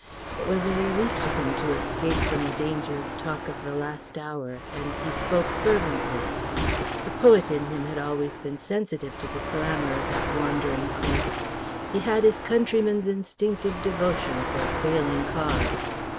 It was a relief to him to escape from the dangerous talk of the last hour, and he spoke fervently. The poet in him had always been sensitive to the glamour of that wandering Prince; he had his countrymen's instinctive devotion for a failing cause.